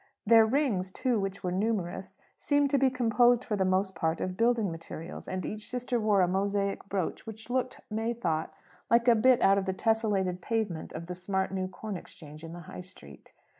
Their rings too, which were numerous, seemed to be composed for the most part of building materials; and each sister wore a mosaic brooch which looked, May thought, like a bit out of the tesselated pavement of the smart new Corn Exchange in the High Street.